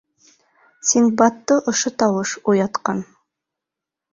Синдбадты ошо тауыш уятҡан.